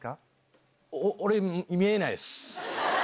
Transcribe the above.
俺、見えないです。